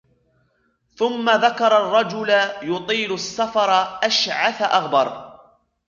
ثُمَّ ذَكَرَ الرَّجُلَ يُطِيلُ السَّفَرَ أَشْعَثَ أَغْبَرَ